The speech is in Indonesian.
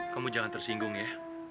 kamu jangan tersinggung ya